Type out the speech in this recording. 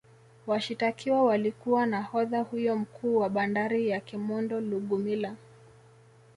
Washitakiwa walikuwa nahodha huyo mkuu wa bandari ya kemondo Lugumila